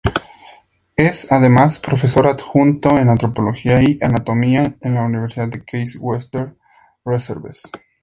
Es además profesor adjunto de Antropología y Anatomía en la Universidad Case Western Reserve.